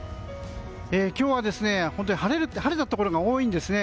今日は晴れたところが多いんですね。